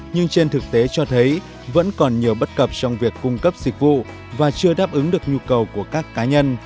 nhưng trên thực tế cho thấy vẫn còn nhiều bất cập trong việc cung cấp dịch vụ và chưa đáp ứng được nhu cầu của các cá nhân